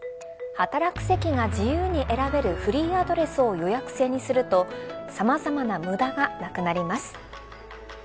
働く席が自由に選べるフリーアドレスを予約制にするとさまざまな無駄がなくなります。